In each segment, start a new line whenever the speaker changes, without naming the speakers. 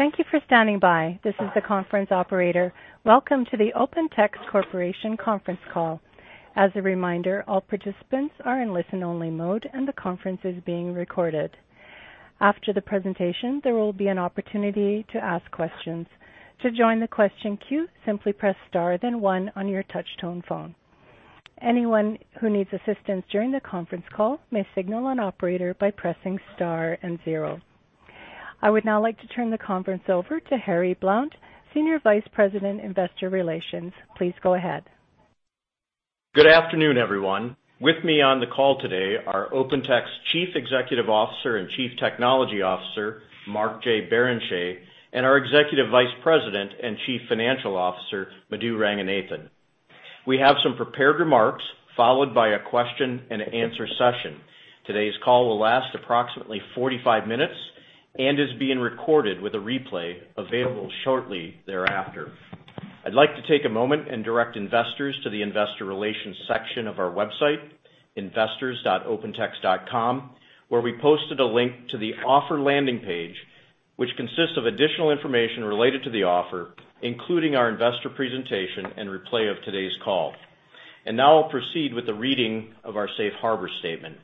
Thank you for standing by. This is the conference operator. Welcome to the OpenText Corporation conference call. As a reminder, all participants are in listen-only mode, and the conference is being recorded. After the presentation, there will be an opportunity to ask questions. To join the question queue, simply press star then one on your touchtone phone. Anyone who needs assistance during the conference call may signal an operator by pressing star and zero. I would now like to turn the conference over to Harry Blount, Senior Vice President, Investor Relations. Please go ahead.
Good afternoon, everyone. With me on the call today are OpenText's Chief Executive Officer and Chief Technology Officer, Mark J. Barrenechea, and our Executive Vice President and Chief Financial Officer, Madhu Ranganathan. We have some prepared remarks followed by a question-and-answer session. Today's call will last approximately 45 minutes and is being recorded with a replay available shortly thereafter. I'd like to take a moment and direct investors to the investor relations section of our website, investors.opentext.com, where we posted a link to the offer landing page, which consists of additional information related to the offer, including our investor presentation and replay of today's call. Now I'll proceed with the reading of our safe harbor statement.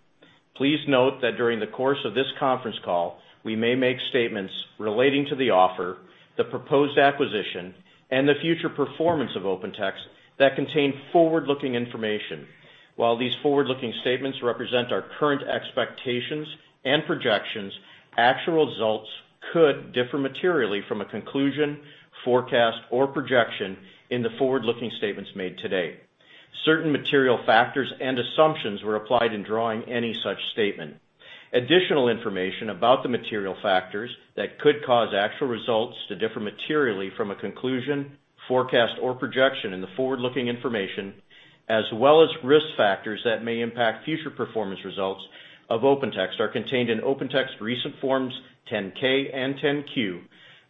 Please note that during the course of this conference call, we may make statements relating to the offer, the proposed acquisition, and the future performance of OpenText that contain forward-looking information. While these forward-looking statements represent our current expectations and projections, actual results could differ materially from a conclusion, forecast, or projection in the forward-looking statements made today. Certain material factors and assumptions were applied in drawing any such statement. Additional information about the material factors that could cause actual results to differ materially from a conclusion, forecast, or projection in the forward-looking information, as well as risk factors that may impact future performance results of OpenText are contained in OpenText recent Forms 10-K and 10-Q,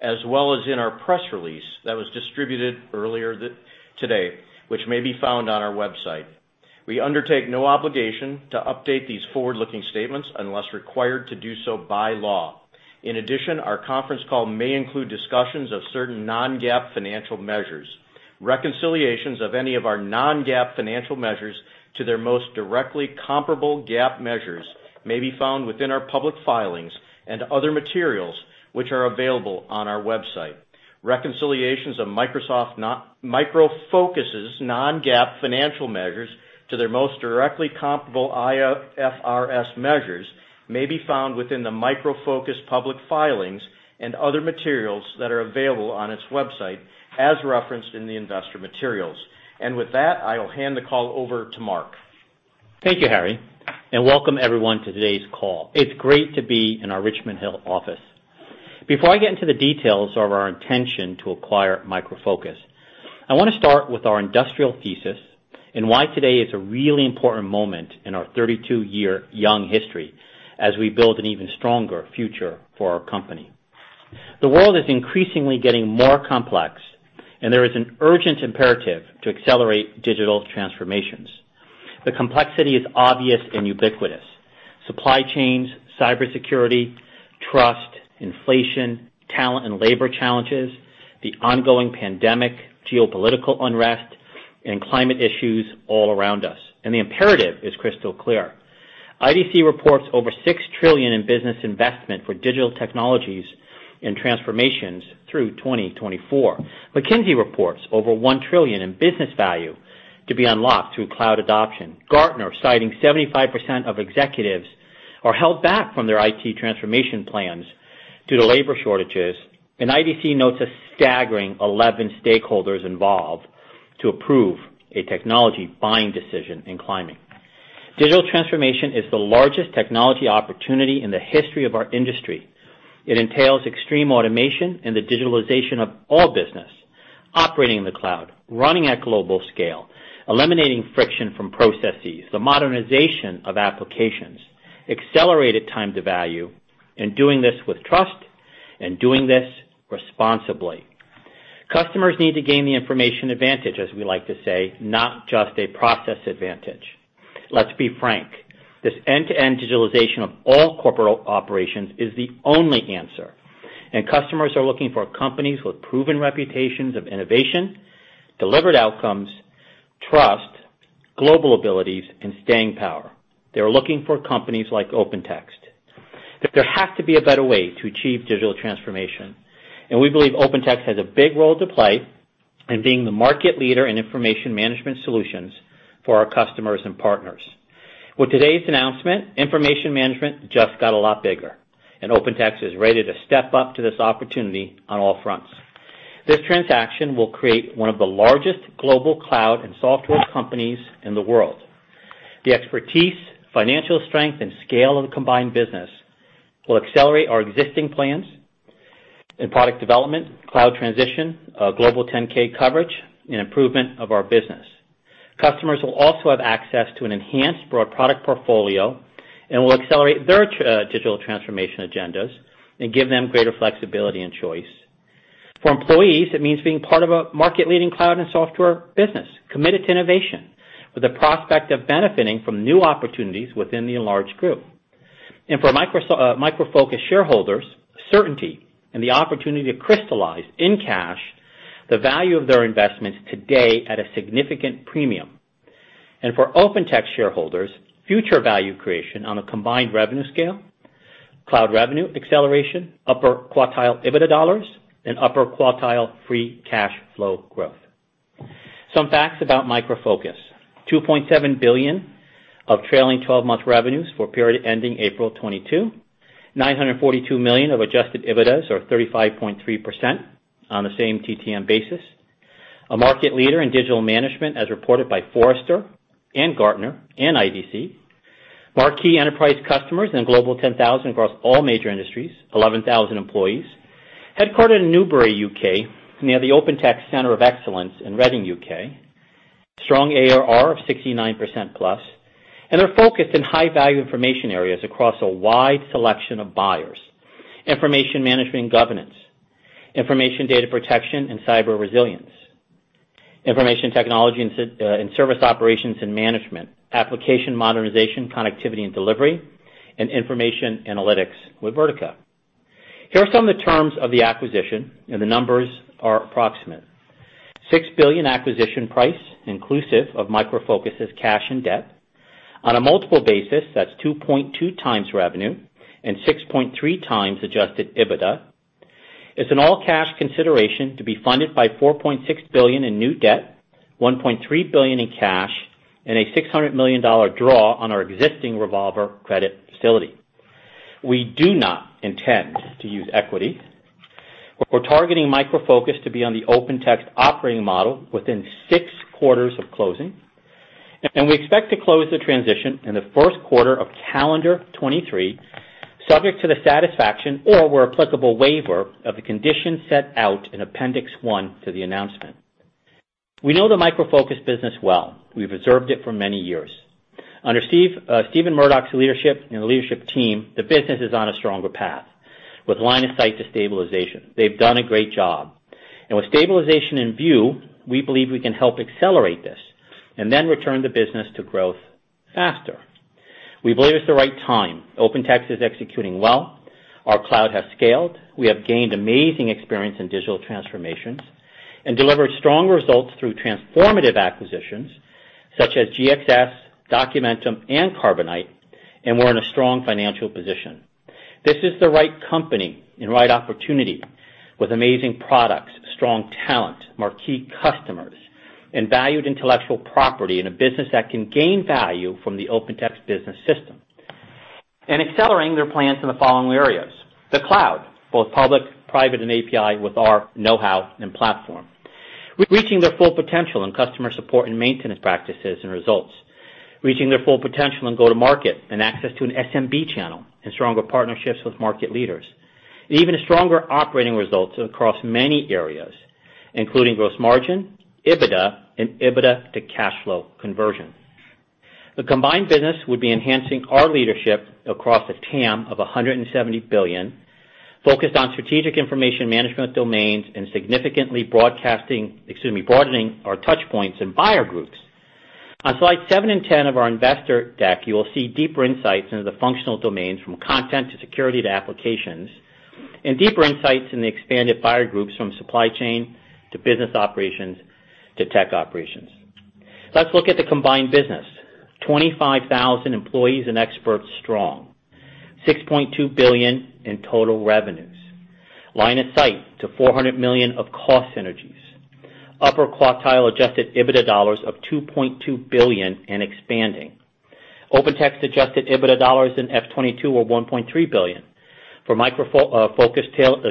as well as in our press release that was distributed earlier today, which may be found on our website. We undertake no obligation to update these forward-looking statements unless required to do so by law. In addition, our conference call may include discussions of certain non-GAAP financial measures. Reconciliations of any of our non-GAAP financial measures to their most directly comparable GAAP measures may be found within our public filings and other materials which are available on our website. Reconciliations of Micro Focus non-GAAP financial measures to their most directly comparable IFRS measures may be found within the Micro Focus public filings and other materials that are available on its website as referenced in the investor materials. With that, I will hand the call over to Mark.
Thank you, Harry, and welcome everyone to today's call. It's great to be in our Richmond Hill office. Before I get into the details of our intention to acquire Micro Focus, I want to start with our industrial thesis and why today is a really important moment in our 32-year young history as we build an even stronger future for our company. The world is increasingly getting more complex, and there is an urgent imperative to accelerate digital transformations. The complexity is obvious and ubiquitous. Supply chains, cybersecurity, trust, inflation, talent and labor challenges, the ongoing pandemic, geopolitical unrest, and climate issues all around us. The imperative is crystal clear. IDC reports over $6 trillion in business investment for digital technologies and transformations through 2024. McKinsey reports over $1 trillion in business value to be unlocked through cloud adoption. Gartner citing 75% of executives are held back from their IT transformation plans due to labor shortages. IDC notes a staggering 11 stakeholders involved to approve a technology buying decision increasing. Digital transformation is the largest technology opportunity in the history of our industry. It entails extreme automation and the digitalization of all business. Operating in the cloud, running at global scale, eliminating friction from processes, the modernization of applications, accelerated time to value, and doing this with trust and doing this responsibly. Customers need to gain the information advantage, as we like to say, not just a process advantage. Let's be frank. This end-to-end digitalization of all corporate operations is the only answer, and customers are looking for companies with proven reputations of innovation, delivered outcomes, trust, global abilities, and staying power. They are looking for companies like OpenText. There has to be a better way to achieve digital transformation, and we believe OpenText has a big role to play in being the market leader in information management solutions for our customers and partners. With today's announcement, information management just got a lot bigger, and OpenText is ready to step up to this opportunity on all fronts. This transaction will create one of the largest global cloud and software companies in the world. The expertise, financial strength, and scale of the combined business will accelerate our existing plans in product development, cloud transition, global 10-K coverage, and improvement of our business. Customers will also have access to an enhanced broad product portfolio and will accelerate their digital transformation agendas and give them greater flexibility and choice. For employees, it means being part of a market-leading cloud and software business committed to innovation with the prospect of benefiting from new opportunities within the enlarged group. For Micro Focus shareholders, certainty and the opportunity to crystallize in cash the value of their investments today at a significant premium. For OpenText shareholders, future value creation on a combined revenue scale, cloud revenue acceleration, upper-quartile EBITDA dollars, and upper-quartile free cash flow growth. Some facts about Micro Focus. $2.7 billion of trailing twelve-month revenues for the period ending April 2022. $942 million of adjusted EBITDA or 35.3% on the same TTM basis. A market leader in digital management as reported by Forrester and Gartner and IDC. Marquee enterprise customers and global 10,000 across all major industries. 11,000 employees. Headquartered in Newbury, U.K., near the OpenText Center of Excellence in Reading, U.K.. Strong ARR of 69%+, and they're focused in high value information areas across a wide selection of buyers. Information management and governance, information data protection and cyber resilience, information technology and service operations and management, application modernization, connectivity and delivery, and information analytics with Vertica. Here are some of the terms of the acquisition, and the numbers are approximate. $6 billion acquisition price inclusive of Micro Focus' cash and debt. On a multiple basis, that's 2.2x revenue and 6.3x adjusted EBITDA. It's an all-cash consideration to be funded by $4.6 billion in new debt, $1.3 billion in cash, and a $600 million draw on our existing revolver credit facility. We do not intend to use equity. We're targeting Micro Focus to be on the OpenText operating model within six quarters of closing, and we expect to close the transition in the first quarter of calendar 2023, subject to the satisfaction or, where applicable, waiver of the conditions set out in appendix one to the announcement. We know the Micro Focus business well. We've observed it for many years. Under Steve, Stephen Murdoch's leadership and the leadership team, the business is on a stronger path with line of sight to stabilization. They've done a great job. With stabilization in view, we believe we can help accelerate this and then return the business to growth faster. We believe it's the right time. OpenText is executing well. Our cloud has scaled. We have gained amazing experience in digital transformations and delivered strong results through transformative acquisitions such as GXS, Documentum and Carbonite, and we're in a strong financial position. This is the right company and right opportunity with amazing products, strong talent, marquee customers and valued intellectual property in a business that can gain value from the OpenText business system and accelerating their plans in the following areas. The cloud, both public, private and API with our know-how and platform. Reaching their full potential in customer support and maintenance practices and results. Reaching their full potential in go-to-market and access to an SMB channel and stronger partnerships with market leaders. Even stronger operating results across many areas, including gross margin, EBITDA and EBITDA to cash flow conversion. The combined business would be enhancing our leadership across a TAM of $170 billion, focused on strategic information management domains and significantly broadening our touch points and buyer groups. On slide seven and 10 of our investor deck, you will see deeper insights into the functional domains from content to security to applications, and deeper insights in the expanded buyer groups from supply chain to business operations to tech operations. Let's look at the combined business. 25,000 employees and experts strong. $6.2 billion in total revenues. Line of sight to $400 million of cost synergies. Upper quartile adjusted EBITDA dollars of $2.2 billion and expanding. OpenText adjusted EBITDA dollars in FY 2022 were $1.3 billion. For Micro Focus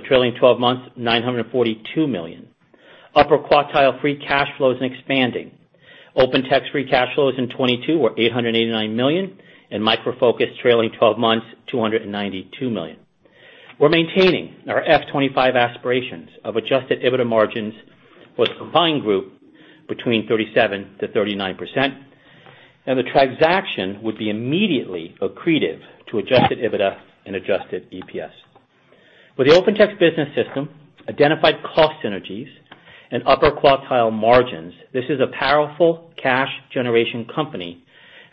trailing twelve months, $942 million. Upper quartile free cash flows and expanding. OpenText free cash flows in 2022 were $889 million, and Micro Focus trailing twelve months, $292 million. We're maintaining our FY 2025 aspirations of adjusted EBITDA margins for the combined group between 37%-39%. The transaction would be immediately accretive to adjusted EBITDA and adjusted EPS. With the OpenText business system, identified cost synergies and upper quartile margins, this is a powerful cash generation company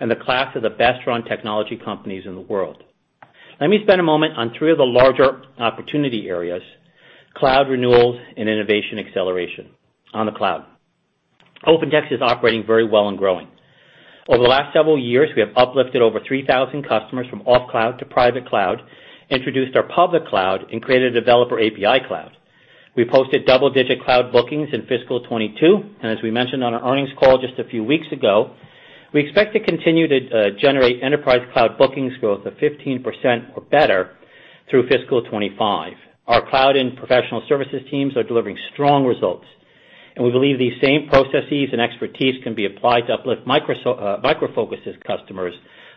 and the class of the best run technology companies in the world. Let me spend a moment on three of the larger opportunity areas, cloud renewals and innovation acceleration. On the cloud. OpenText is operating very well and growing. Over the last several years, we have uplifted over 3,000 customers from off cloud to private cloud, introduced our public cloud and created a developer API cloud. We posted double-digit cloud bookings in fiscal 2022, and as we mentioned on our earnings call just a few weeks ago, we expect to continue to generate enterprise cloud bookings growth of 15% or better through fiscal 2025. Our cloud and professional services teams are delivering strong results, and we believe these same processes and expertise can be applied to uplift Micro Focus' customers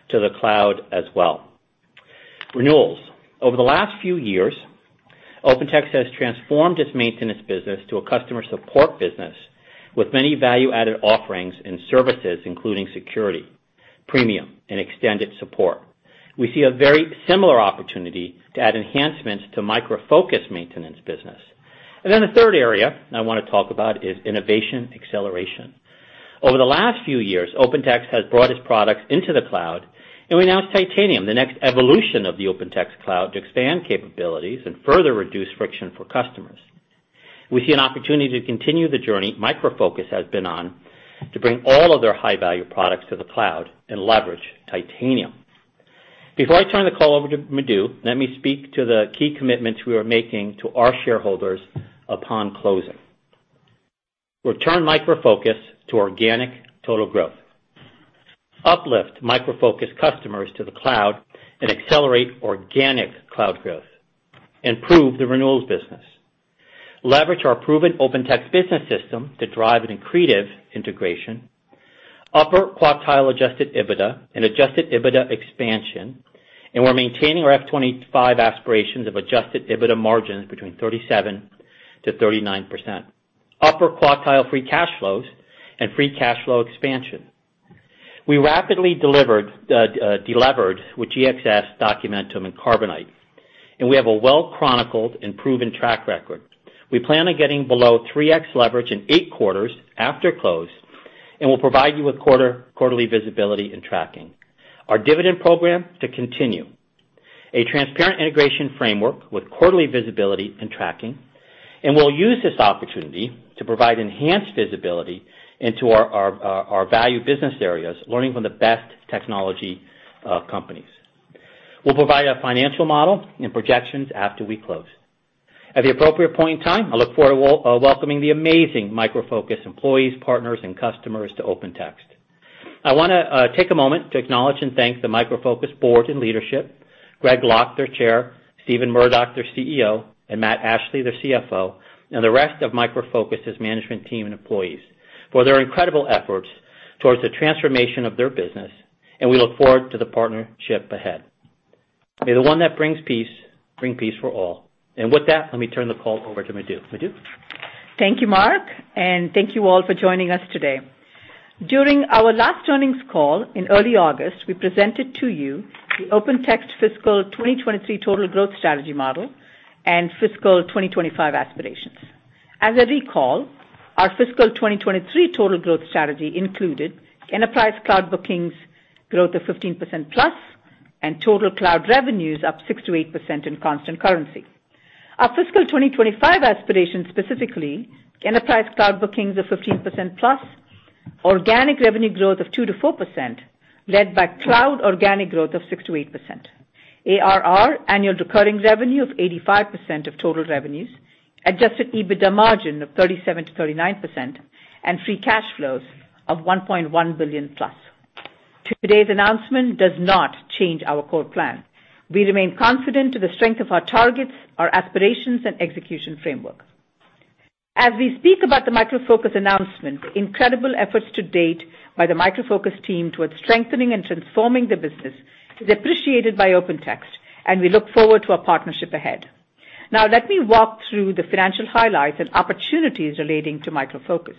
to the cloud as well. Renewals. Over the last few years, OpenText has transformed its maintenance business to a customer support business with many value-added offerings and services, including security, premium and extended support. We see a very similar opportunity to add enhancements to Micro Focus maintenance business. The third area I wanna talk about is innovation acceleration. Over the last few years, OpenText has brought its products into the cloud, and we announced Titanium, the next evolution of the OpenText cloud, to expand capabilities and further reduce friction for customers. We see an opportunity to continue the journey Micro Focus has been on to bring all of their high-value products to the cloud and leverage Titanium. Before I turn the call over to Madhu, let me speak to the key commitments we are making to our shareholders upon closing. Return Micro Focus to organic total growth. Uplift Micro Focus customers to the cloud and accelerate organic cloud growth. Improve the renewals business. Leverage our proven OpenText business system to drive an accretive integration. Upper quartile adjusted EBITDA and adjusted EBITDA expansion, and we're maintaining our FY 2025 aspirations of adjusted EBITDA margins between 37%-39%. Upper quartile free cash flows and free cash flow expansion. We rapidly delivered deleveraged with GXS, Documentum, and Carbonite, and we have a well-chronicled and proven track record. We plan on getting below 3x leverage in eight quarters after close, and we'll provide you with quarterly visibility and tracking. Our dividend program to continue. A transparent integration framework with quarterly visibility and tracking, and we'll use this opportunity to provide enhanced visibility into our value business areas, learning from the best technology companies. We'll provide a financial model and projections after we close. At the appropriate point in time, I look forward to welcoming the amazing Micro Focus employees, partners, and customers to OpenText. I wanna take a moment to acknowledge and thank the Micro Focus board and leadership, Greg Lock, their Chair, Stephen Murdoch, their CEO, and Matt Ashley, their CFO, and the rest of Micro Focus's management team and employees for their incredible efforts towards the transformation of their business, and we look forward to the partnership ahead. May the one that brings peace bring peace for all. With that, let me turn the call over to Madhu. Madhu?
Thank you, Mark, and thank you all for joining us today. During our last earnings call in early August, we presented to you the OpenText fiscal 2023 total growth strategy model and fiscal 2025 aspirations. As I recall, our fiscal 2023 total growth strategy included enterprise cloud bookings growth of 15%+ and total cloud revenues up 6%-8% in constant currency. Our fiscal 2025 aspiration, specifically enterprise cloud bookings of 15%+, organic revenue growth of 2%-4%, led by cloud organic growth of 6%-8%. ARR, annual recurring revenue, of 85% of total revenues, adjusted EBITDA margin of 37%-39%, and free cash flows of $1.1 billion+. Today's announcement does not change our core plan. We remain confident to the strength of our targets, our aspirations, and execution framework. As we speak about the Micro Focus announcement, incredible efforts to date by the Micro Focus team towards strengthening and transforming the business is appreciated by OpenText, and we look forward to our partnership ahead. Now, let me walk through the financial highlights and opportunities relating to Micro Focus.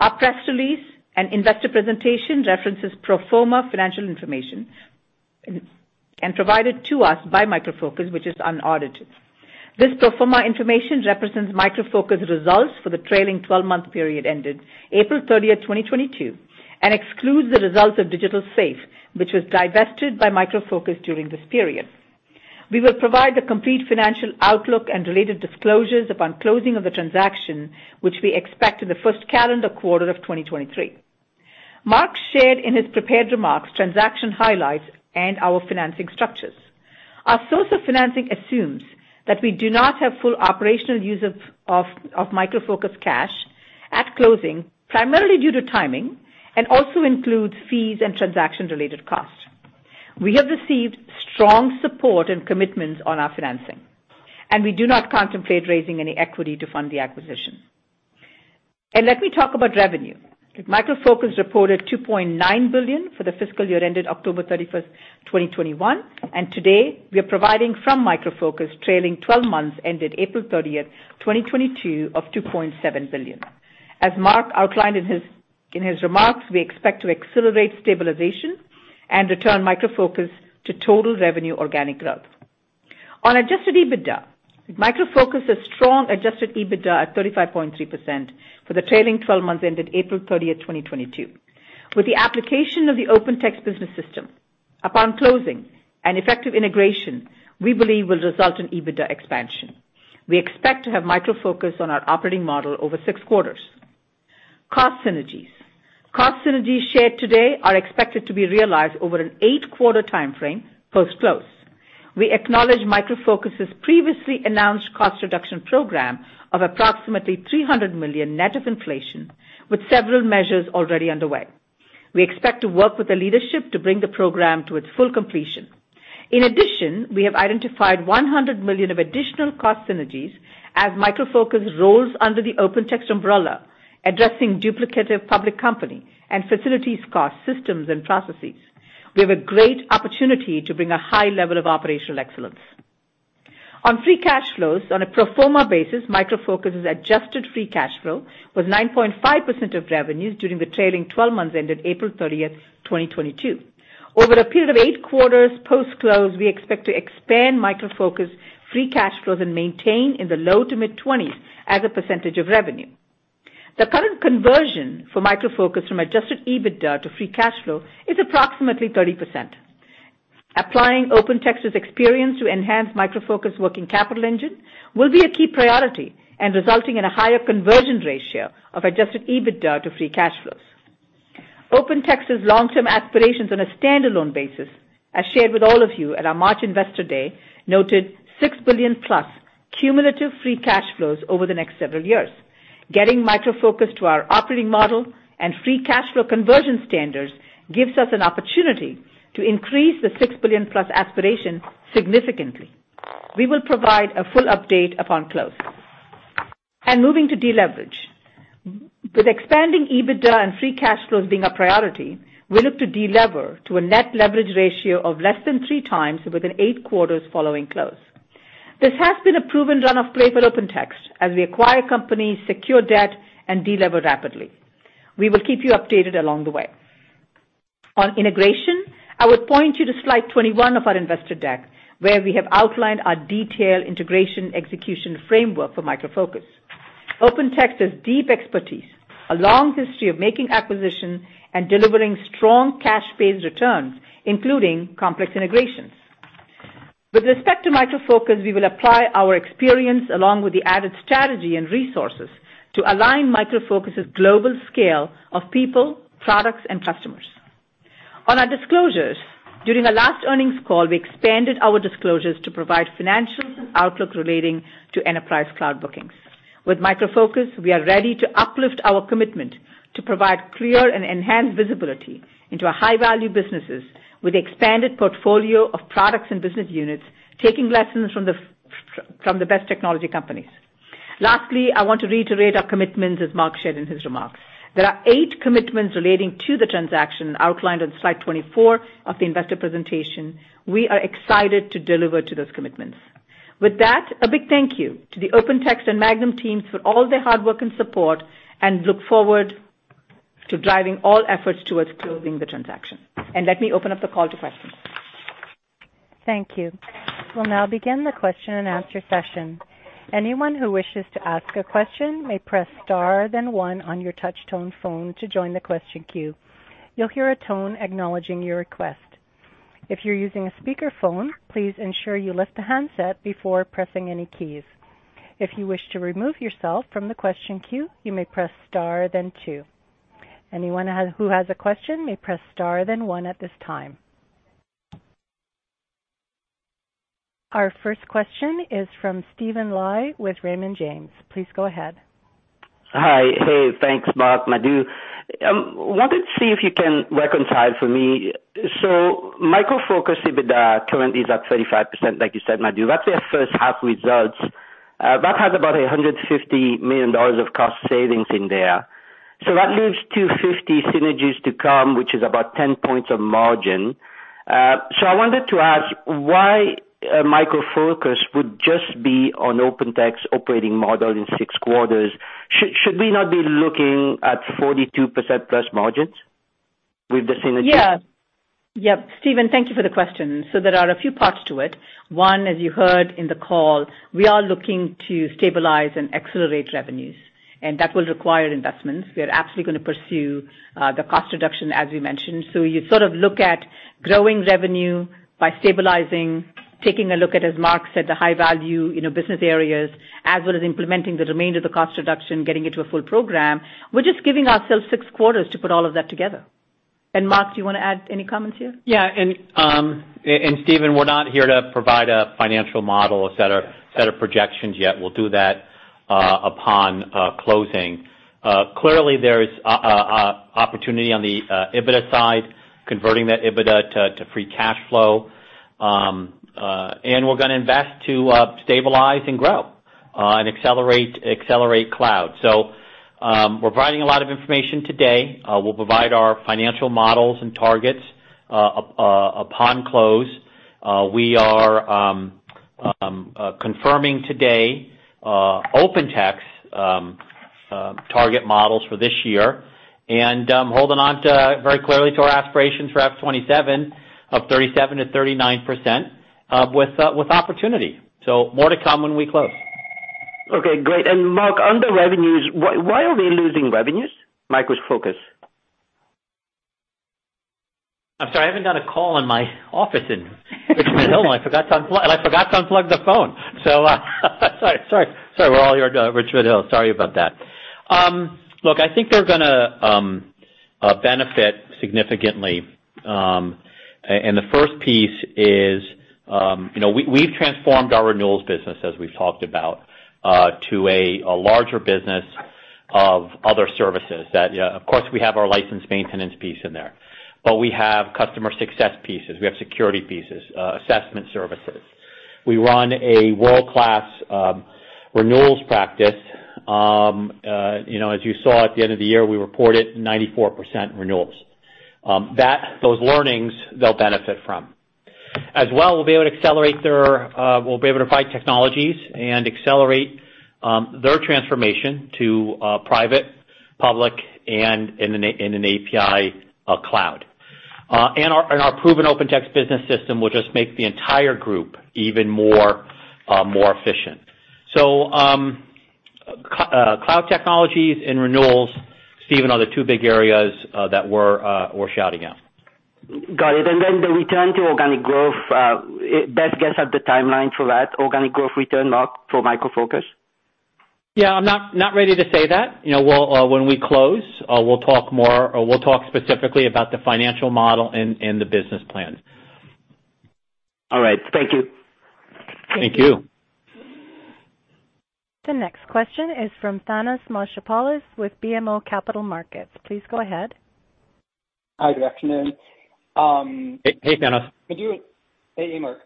Our press release and investor presentation references pro forma financial information and provided to us by Micro Focus, which is unaudited. This pro forma information represents Micro Focus results for the trailing twelve-month period ended April 30th, 2022, and excludes the results of Digital Safe, which was divested by Micro Focus during this period. We will provide the complete financial outlook and related disclosures upon closing of the transaction, which we expect in the first calendar quarter of 2023. Mark shared in his prepared remarks transaction highlights and our financing structures. Our source of financing assumes that we do not have full operational use of Micro Focus cash at closing, primarily due to timing, and also includes fees and transaction-related costs. We have received strong support and commitments on our financing, and we do not contemplate raising any equity to fund the acquisition. Let me talk about revenue. Micro Focus reported $2.9 billion for the fiscal year ended October 31st, 2021, and today we are providing from Micro Focus trailing twelve months ended April 30th, 2022, of $2.7 billion. As Mark outlined in his remarks, we expect to accelerate stabilization and return Micro Focus to total revenue organic growth. On adjusted EBITDA, Micro Focus has strong adjusted EBITDA at 35.3% for the trailing twelve months ended April 30th, 2022. With the application of the OpenText business system upon closing and effective integration, we believe will result in EBITDA expansion. We expect to have Micro Focus on our operating model over six quarters. Cost synergies. Cost synergies shared today are expected to be realized over an eight quarter timeframe post-close. We acknowledge Micro Focus's previously announced cost reduction program of approximately $300 million net of inflation, with several measures already underway. We expect to work with the leadership to bring the program to its full completion. In addition, we have identified $100 million of additional cost synergies as Micro Focus rolls under the OpenText umbrella, addressing duplicative public company and facilities cost, systems, and processes. We have a great opportunity to bring a high level of operational excellence. On free cash flows on a pro forma basis, Micro Focus's adjusted free cash flow was 9.5% of revenues during the trailing 12 months ended April 30th, 2022. Over a period of eight quarters post-close, we expect to expand Micro Focus free cash flows and maintain in the low to mid-20s% as a percentage of revenue. The current conversion for Micro Focus from adjusted EBITDA to free cash flow is approximately 30%. Applying OpenText's experience to enhance Micro Focus working capital engine will be a key priority and resulting in a higher conversion ratio of adjusted EBITDA to free cash flows. OpenText's long-term aspirations on a standalone basis, as shared with all of you at our March investor day, noted $6 billion+ cumulative free cash flows over the next several years. Getting Micro Focus to our operating model and free cash flow conversion standards gives us an opportunity to increase the 6 billion plus aspiration significantly. We will provide a full update upon close. Moving to deleverage. With expanding EBITDA and free cash flows being a priority, we look to de-lever to a net leverage ratio of less than 3x within eight quarters following close. This has been a proven run of play for OpenText as we acquire companies, secure debt, and de-lever rapidly. We will keep you updated along the way. On integration, I would point you to slide 21 of our investor deck, where we have outlined our detailed integration execution framework for Micro Focus. OpenText has deep expertise, a long history of making acquisitions and delivering strong cash-based returns, including complex integrations. With respect to Micro Focus, we will apply our experience along with the added strategy and resources to align Micro Focus's global scale of people, products, and customers. On our disclosures, during our last earnings call, we expanded our disclosures to provide financial outlook relating to enterprise cloud bookings. With Micro Focus, we are ready to uplift our commitment to provide clear and enhanced visibility into our high-value businesses with expanded portfolio of products and business units, taking lessons from the best technology companies. Lastly, I want to reiterate our commitments, as Mark shared in his remarks. There are eight commitments relating to the transaction outlined on slide 24 of the investor presentation. We are excited to deliver to those commitments. With that, a big thank you to the OpenText and management teams for all their hard work and support, and look forward to driving all efforts towards closing the transaction. Let me open up the call to questions.
Thank you. We'll now begin the question and answer session. Anyone who wishes to ask a question may press star, then one on your touchtone phone to join the question queue. You'll hear a tone acknowledging your request. If you're using a speakerphone, please ensure you lift the handset before pressing any keys. If you wish to remove yourself from the question queue, you may press star, then two. Who has a question may press star, then one at this time. Our first question is from Steven Li with Raymond James. Please go ahead.
Hi. Hey, thanks, Mark, Madhu. Wanted to see if you can reconcile for me. Micro Focus EBITDA currently is at 35% like you said, Madhu. That's their first half results. That has about $150 million of cost savings in there. That leaves 250 synergies to come, which is about 10 points of margin. I wanted to ask why Micro Focus would just be on OpenText operating model in six quarters. Should we not be looking at 42%+ margins with the synergies?
Yeah. Yep. Steven, thank you for the question. There are a few parts to it. One, as you heard in the call, we are looking to stabilize and accelerate revenues, and that will require investments. We are absolutely gonna pursue the cost reduction, as we mentioned. You sort of look at growing revenue by stabilizing, taking a look at, as Mark said, the high value, you know, business areas, as well as implementing the remainder of the cost reduction, getting it to a full program. We're just giving ourselves six quarters to put all of that together. Mark, do you wanna add any comments here?
Steven, we're not here to provide a financial model, a set of projections yet. We'll do that upon closing. Clearly there is opportunity on the EBITDA side, converting that EBITDA to free cash flow. We're gonna invest to stabilize and grow and accelerate cloud. We're providing a lot of information today. We'll provide our financial models and targets upon close. We are confirming today OpenText's target models for this year, and I'm holding on very clearly to our aspirations for FY 2027 of 37%-39%, with opportunity. More to come when we close.
Okay, great. Mark, on the revenues, why are we losing revenues, Micro Focus?
I'm sorry. I haven't done a call in my office in Richmond Hill, and I forgot to unplug the phone. Sorry. We're all here in Richmond Hill. Sorry about that. Look, I think they're gonna benefit significantly. The first piece is, you know, we've transformed our renewals business, as we've talked about, to a larger business of other services that, of course, we have our license maintenance piece in there. We have customer success pieces. We have security pieces, assessment services. We run a world-class renewals practice. You know, as you saw at the end of the year, we reported 94% renewals. Those learnings they'll benefit from. As well, we'll be able to accelerate their. We'll be able to provide technologies and accelerate their transformation to private, public, and API cloud. Our proven OpenText business system will just make the entire group even more efficient. Cloud technologies and renewals, Steven, are the two big areas that we're shouting out.
Got it. The return to organic growth, best guess at the timeline for that organic growth return, Mark, for Micro Focus?
Yeah, I'm not ready to say that. You know, we'll, when we close, we'll talk more or we'll talk specifically about the financial model and the business plan.
All right. Thank you.
Thank you.
The next question is from Thanos Moschopoulos with BMO Capital Markets. Please go ahead.
Hi, good afternoon.
Hey, Thanos.
Madhu. Hey, Mark.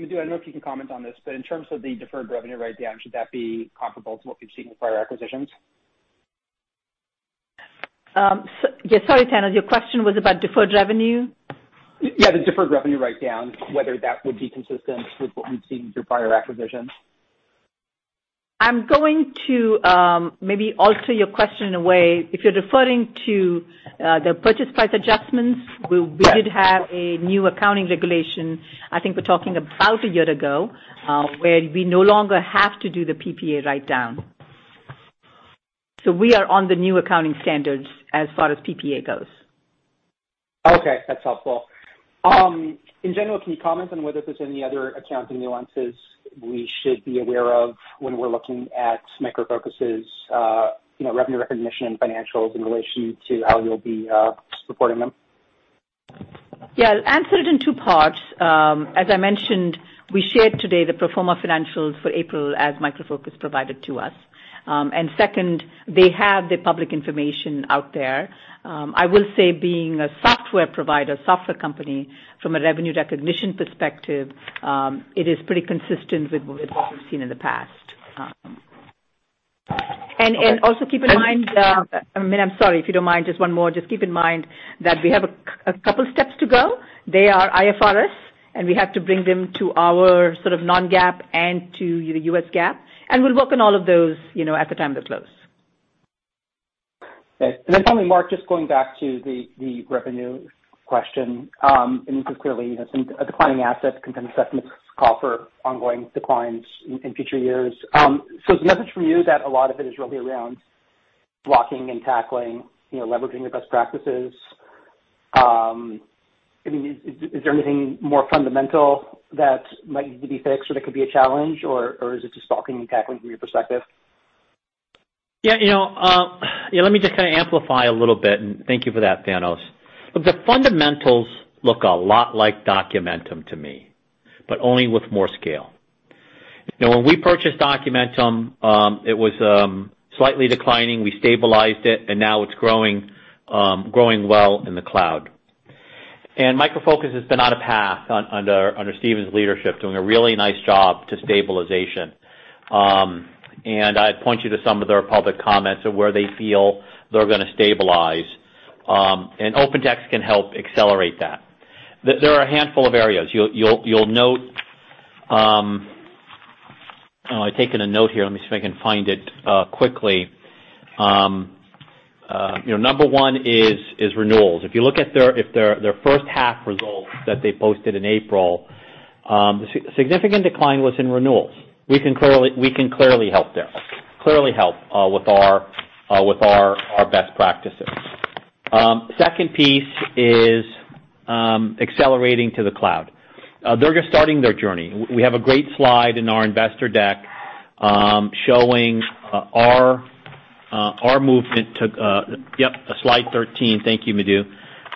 I don't know if you can comment on this, but in terms of the deferred revenue write-down, should that be comparable to what we've seen with prior acquisitions?
Sorry, Thanos. Your question was about deferred revenue?
Yeah, the deferred revenue writedown, whether that would be consistent with what we've seen through prior acquisitions?
I'm going to maybe alter your question in a way. If you're referring to the purchase price adjustments. We did have a new accounting regulation, I think we're talking about a year ago, where we no longer have to do the PPA writedown. We are on the new accounting standards as far as PPA goes.
Okay. That's helpful. In general, can you comment on whether there's any other accounting nuances we should be aware of when we're looking at Micro Focus's, you know, revenue recognition and financials in relation to how you'll be reporting them?
Yeah. I'll answer it in two parts. As I mentioned, we shared today the pro forma financials for April as Micro Focus provided to us. Second, they have the public information out there. I will say being a software provider, software company from a revenue recognition perspective, it is pretty consistent with what we've seen in the past. Also keep in mind, I mean, I'm sorry, if you don't mind, just one more. Just keep in mind that we have a couple steps to go. They are IFRS, and we have to bring them to our sort of non-GAAP and to the U.S. GAAP, and we'll work on all of those, you know, at the time of the close.
Okay. Finally, Mark, just going back to the revenue question, and this is clearly, you know, a declining asset consensus call for ongoing declines in future years. The message from you that a lot of it is really around blocking and tackling, you know, leveraging the best practices. I mean, is there anything more fundamental that might need to be fixed or that could be a challenge or is it just blocking and tackling from your perspective?
Yeah, you know, yeah, let me just kinda amplify a little bit, and thank you for that, Thanos. The fundamentals look a lot like Documentum to me, but only with more scale. You know, when we purchased Documentum, it was slightly declining. We stabilized it, and now it's growing well in the cloud. Micro Focus has been on a path under Stephen's leadership, doing a really nice job to stabilization. I'd point you to some of their public comments of where they feel they're gonna stabilize. OpenText can help accelerate that. There are a handful of areas. You'll note. Oh, I've taken a note here. Let me see if I can find it quickly. You know, number one is renewals. If you look at their first half results that they posted in April, the significant decline was in renewals. We can clearly help there with our best practices. Second piece is accelerating to the cloud. They're just starting their journey. We have a great slide in our investor deck showing our movement to... Yep, slide 13. Thank you, Madhu.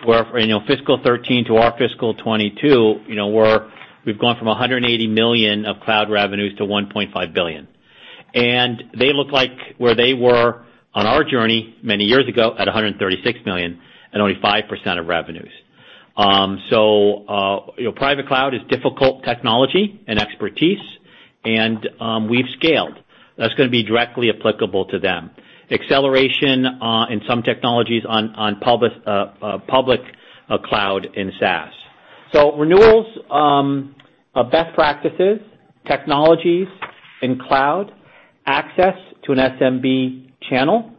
Where, you know, fiscal 2013 to our fiscal 2022, you know, we've gone from $180 million of cloud revenues to $1.5 billion. They look like where they were on our journey many years ago at $136 million and only 5% of revenues. So, you know, private cloud is difficult technology and expertise, and we've scaled. That's gonna be directly applicable to them. Acceleration in some technologies on public cloud and SaaS. Renewals, best practices, technologies in cloud, access to an SMB channel,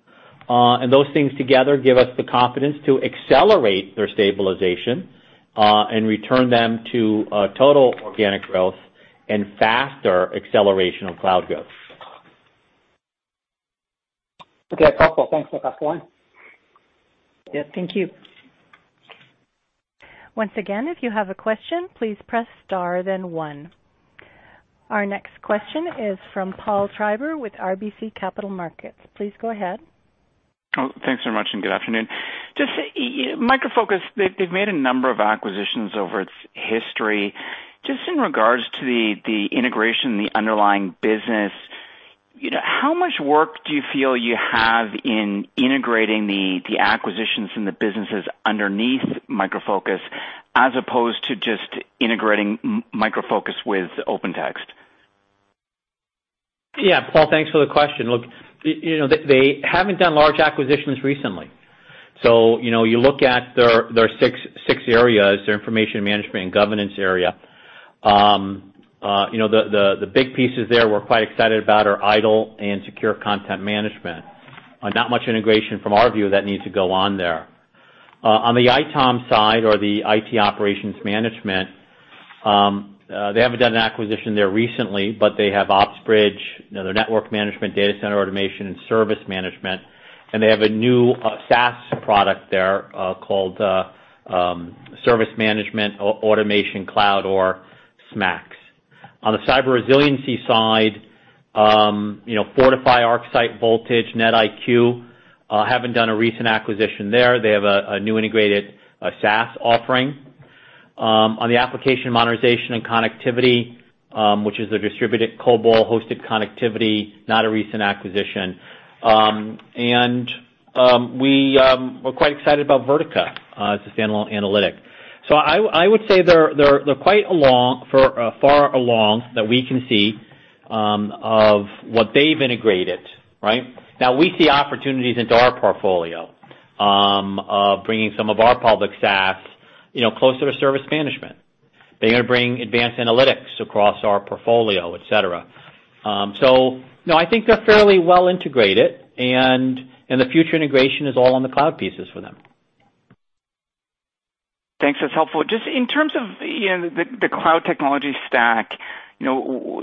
and those things together give us the confidence to accelerate their stabilization and return them to total organic growth and faster acceleration of cloud growth.
Okay. Helpful. Thanks. I pass the line.
Yeah. Thank you.
Once again, if you have a question, please press star then one. Our next question is from Paul Treiber with RBC Capital Markets. Please go ahead.
Oh, thanks very much, and good afternoon. Just Micro Focus, they've made a number of acquisitions over its history. Just in regards to the integration and the underlying business, you know, how much work do you feel you have in integrating the acquisitions and the businesses underneath Micro Focus as opposed to just integrating Micro Focus with OpenText?
Yeah, Paul, thanks for the question. Look, you know, they haven't done large acquisitions recently, so you know, you look at their six areas, their information management and governance area. You know, the big pieces there we're quite excited about are IDOL and Secure Content Management. Not much integration from our view that needs to go on there. On the ITOM side or the IT Operations Management, they haven't done an acquisition there recently, but they have OpsBridge, you know, their network management data center automation and service management, and they have a new SaaS product there, called Service Management Automation X or SMAX. On the cyber resiliency side, you know, Fortify, ArcSight, Voltage, NetIQ haven't done a recent acquisition there. They have a new integrated SaaS offering. On the application modernization and connectivity, which is their distributed COBOL hosted connectivity, not a recent acquisition. We're quite excited about Vertica, the analytics. I would say they're quite far along that we can see of what they've integrated, right? Now, we see opportunities into our portfolio of bringing some of our public SaaS, you know, closer to service management. They're gonna bring advanced analytics across our portfolio, et cetera. No, I think they're fairly well integrated and the future integration is all on the cloud pieces for them.
Thanks. That's helpful. Just in terms of, you know, the cloud technology stack, you know,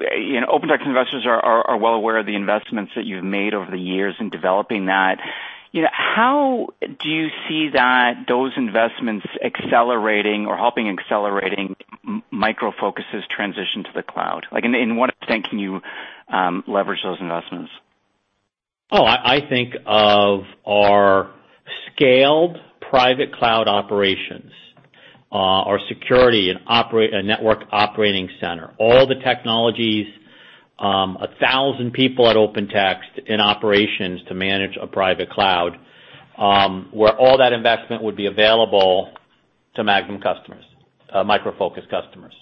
OpenText investors are well aware of the investments that you've made over the years in developing that. You know, how do you see those investments accelerating or helping accelerate Micro Focus' transition to the cloud? Like, in what extent can you leverage those investments?
I think of our scaled private cloud operations, our security and network operating center, all the technologies, 1,000 people at OpenText in operations to manage a private cloud, where all that investment would be available to OpenText customers, Micro Focus customers,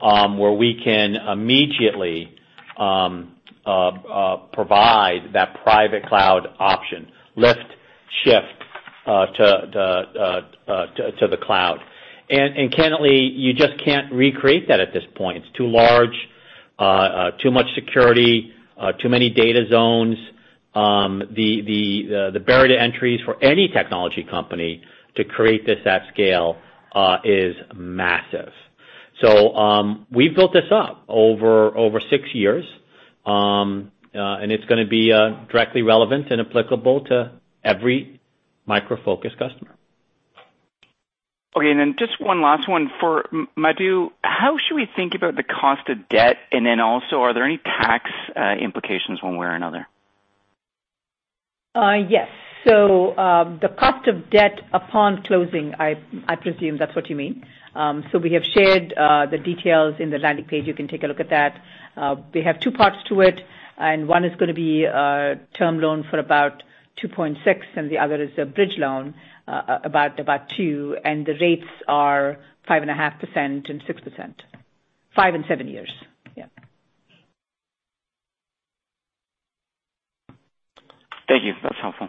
where we can immediately provide that private cloud option, lift, shift, to the cloud. Candidly, you just can't recreate that at this point. It's too large, too much security, too many data zones. The barrier to entry for any technology company to create this at scale is massive. We've built this up over six years, and it's gonna be directly relevant and applicable to every Micro Focus customer.
Okay. Just one last one for Madhu. How should we think about the cost of debt? Are there any tax implications one way or another?
Yes. The cost of debt upon closing, I presume that's what you mean. We have shared the details in the landing page. You can take a look at that. We have two parts to it, and one is gonna be a term loan for about $2.6, and the other is a bridge loan about $2, and the rates are 5.5% and 6%, five and seven years. Yeah.
Thank you. That's helpful.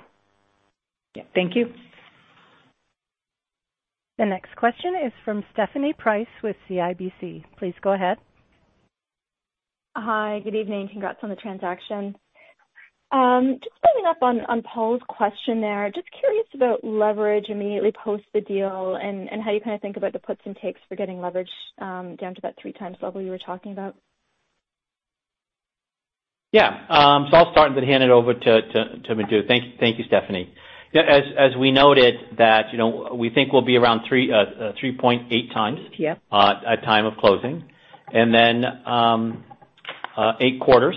Yeah. Thank you.
The next question is from Stephanie Price with CIBC. Please go ahead.
Hi. Good evening. Congrats on the transaction. Just following up on Paul's question there. Just curious about leverage immediately post the deal and how you kind of think about the puts and takes for getting leverage down to that 3x level you were talking about.
Yeah. I'll start and then hand it over to Madhu. Thank you, Stephanie. Yeah, as we noted that, you know, we think we'll be around 3.8x.
Yep.
At time of closing and then eight quarters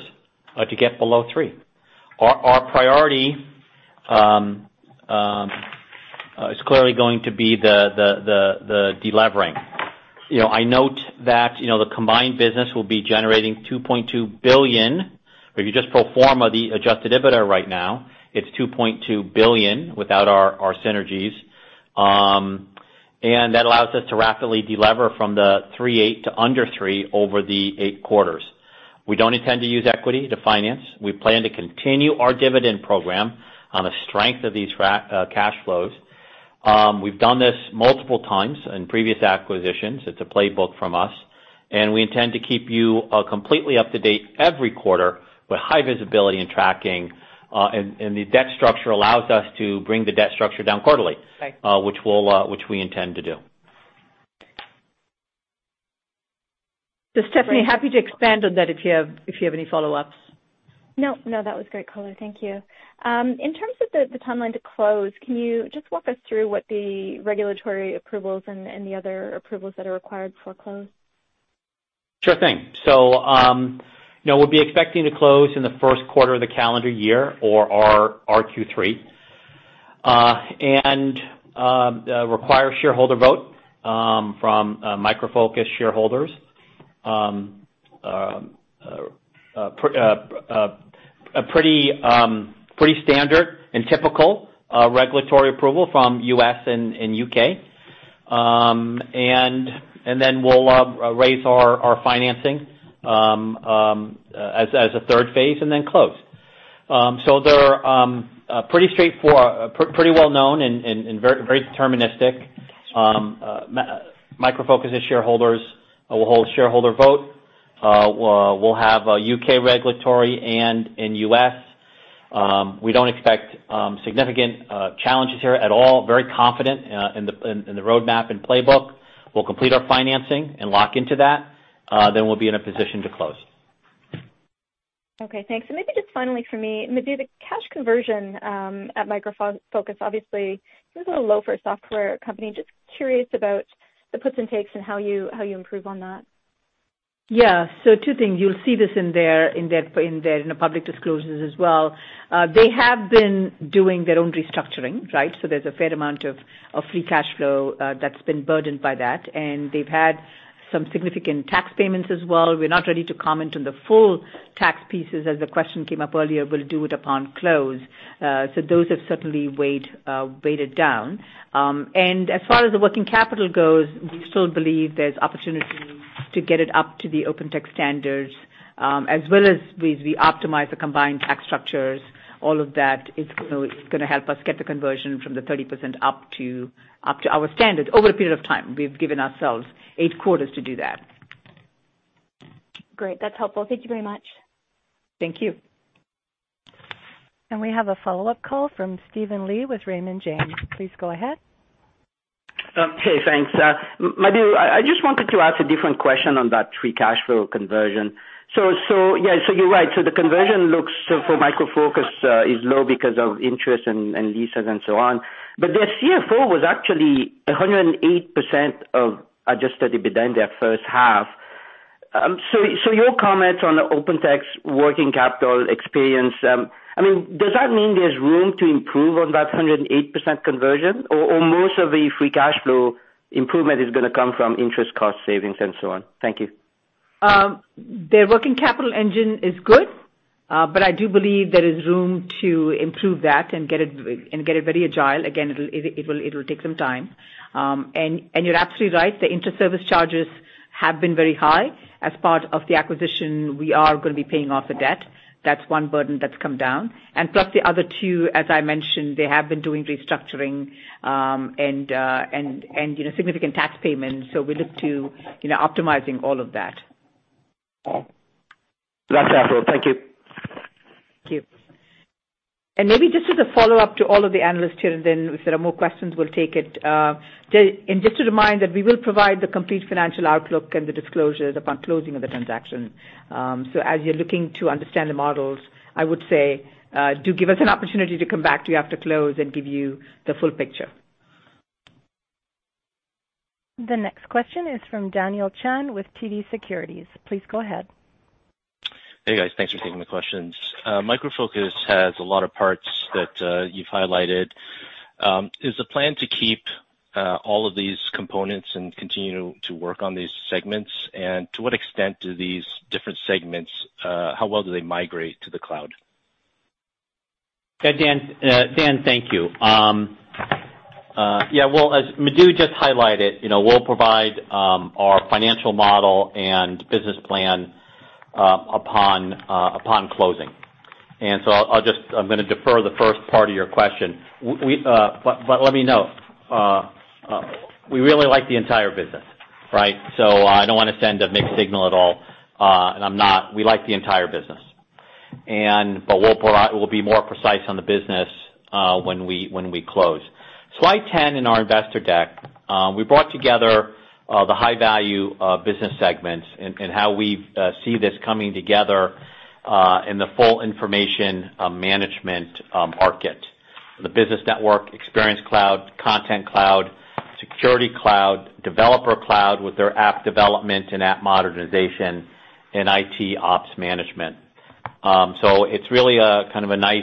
to get below 3x. Our priority is clearly going to be the delevering. You know, I note that, you know, the combined business will be generating $2.2 billion, as you just pro forma the adjusted EBITDA right now. It's $2.2 billion without our synergies. That allows us to rapidly delever from the 3.8x to under 3x over the eight quarters. We don't intend to use equity to finance. We plan to continue our dividend program on the strength of these cash flows. We've done this multiple times in previous acquisitions. It's a playbook from us, and we intend to keep you completely up to date every quarter with high visibility and tracking. The debt structure allows us to bring the debt structure down quarterly.
Right.
Which we intend to do.
Stephanie, happy to expand on that if you have any follow-ups.
No, no, that was great color. Thank you. In terms of the timeline to close, can you just walk us through what the regulatory approvals and the other approvals that are required for close?
Sure thing. You know, we'll be expecting to close in the first quarter of the calendar year or our Q3, and require shareholder vote from Micro Focus shareholders, a pretty standard and typical regulatory approval from U.S. and U.K. We'll raise our financing as a third phase and then close. There are pretty straightforward, well-known and very deterministic. Micro Focus' shareholders will hold a shareholder vote. We'll have a U.K. regulatory and U.S. We don't expect significant challenges here at all. Very confident in the roadmap and playbook. We'll complete our financing and lock into that, then we'll be in a position to close.
Okay, thanks. Maybe just finally from me, Madhu, the cash conversion at Micro Focus, obviously this is a little low for a software company. Just curious about the puts and takes and how you improve on that.
Yeah. Two things. You'll see this in their in the public disclosures as well. They have been doing their own restructuring, right? There's a fair amount of free cash flow that's been burdened by that. They've had some significant tax payments as well. We're not ready to comment on the full tax pieces as the question came up earlier. We'll do it upon close. Those have certainly weighed down. As far as the working capital goes, we still believe there's opportunity to get it up to the OpenText standards, as well as we optimize the combined tax structures. All of that is going to help us get the conversion from the 30% up to our standards over a period of time. We've given ourselves eight quarters to do that.
Great. That's helpful. Thank you very much.
Thank you.
We have a follow-up call from Steven Li with Raymond James. Please go ahead.
Okay, thanks. Madhu, I just wanted to ask a different question on that free cash flow conversion. Yeah, you're right. The conversion looks for Micro Focus is low because of interest and leases and so on. Their CFO was actually 108% of adjusted EBITDA in their first half. Your comments on OpenText working capital experience, I mean, does that mean there's room to improve on that 108% conversion? Most of the free cash flow improvement is gonna come from interest cost savings and so on? Thank you.
Their working capital engine is good, but I do believe there is room to improve that and get it very agile. Again, it will take some time. You're absolutely right, the interservice charges have been very high. As part of the acquisition, we are gonna be paying off the debt. That's one burden that's come down. Plus the other two, as I mentioned, they have been doing restructuring, you know, significant tax payments. We look to, you know, optimizing all of that.
That's helpful. Thank you.
Thank you. Maybe just as a follow-up to all of the analysts here, and then if there are more questions, we'll take it. Just a reminder that we will provide the complete financial outlook and the disclosures upon closing of the transaction. As you're looking to understand the models, I would say, do give us an opportunity to come back to you after close and give you the full picture.
The next question is from Daniel Chan with TD Securities. Please go ahead.
Hey, guys. Thanks for taking the questions. Micro Focus has a lot of parts that you've highlighted. Is the plan to keep all of these components and continue to work on these segments? To what extent do these different segments, how well do they migrate to the cloud?
Yeah, Dan. Dan, thank you. Yeah, well, as Madhu just highlighted, you know, we'll provide our financial model and business plan upon closing. I'll just. I'm gonna defer the first part of your question. We. Let me note, we really like the entire business, right? I don't wanna send a mixed signal at all. We like the entire business. We'll be more precise on the business when we close. Slide ten in our investor deck, we brought together the high value business segments and how we've see this coming together in the full information management market. The business network, experience cloud, content cloud, security cloud, developer cloud with their app development and app modernization, and IT ops management. It's really a kind of a nice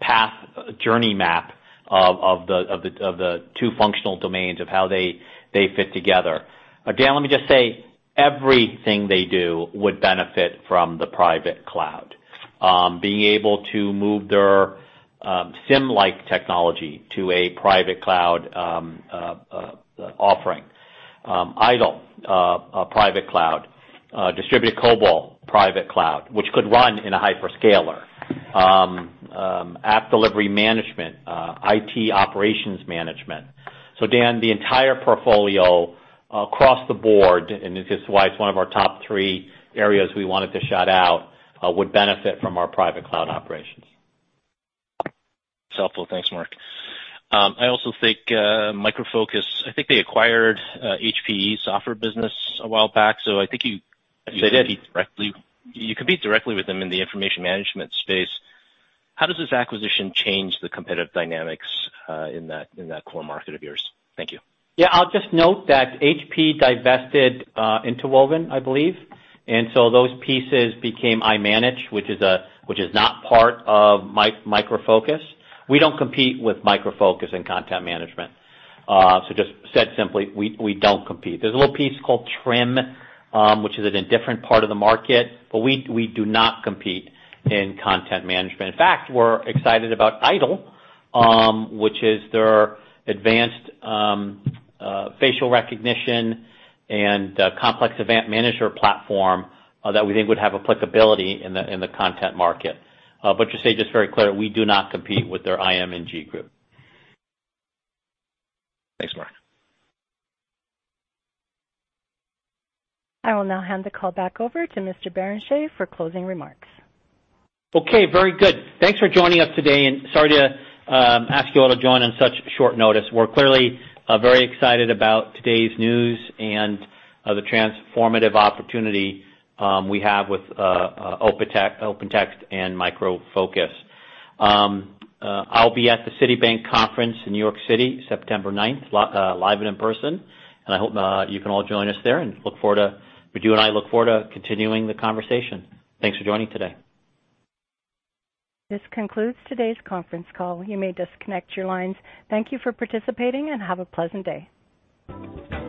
path journey map of the two functional domains of how they fit together. Daniel, let me just say, everything they do would benefit from the private cloud. Being able to move their SIEM-like technology to a private cloud offering. IDOL, a private cloud, distributed COBOL private cloud, which could run in a hyperscaler. App delivery management, IT operations management. Dan, the entire portfolio across the board, and this is why it's one of our top three areas we wanted to shout out, would benefit from our private cloud operations. It's helpful.
Thanks, Mark. I also think Micro Focus acquired HPE's software business a while back. They did. You compete directly with them in the information management space. How does this acquisition change the competitive dynamics in that core market of yours? Thank you.
Yeah, I'll just note that HP divested Interwoven, I believe. Those pieces became iManage, which is not part of Micro Focus. We don't compete with Micro Focus in content management. Simply, we don't compete. There's a little piece called TRIM, which is in a different part of the market, but we do not compete in content management. In fact, we're excited about IDOL, which is their advanced facial recognition and complex event manager platform, that we think would have applicability in the content market. To say just very clear, we do not compete with their IM&G group.
Thanks, Mark.
I will now hand the call back over to Mr. Barrenechea for closing remarks.
Okay, very good. Thanks for joining us today, and sorry to ask you all to join on such short notice. We're clearly very excited about today's news and the transformative opportunity we have with OpenText and Micro Focus. I'll be at the Citibank conference in New York City, September 9th, live and in person, and I hope you can all join us there. Madhu and I look forward to continuing the conversation. Thanks for joining today.
This concludes today's conference call. You may disconnect your lines. Thank you for participating, and have a pleasant day.